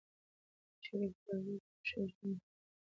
شریف خپل زوی ته د ښه ژوند هیلې ورکوي.